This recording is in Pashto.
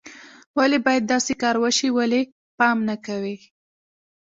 ولې باید داسې کار وشي، ولې پام نه کوئ